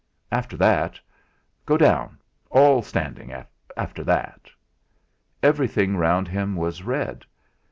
After that go down all standing after that! Everything round him was red.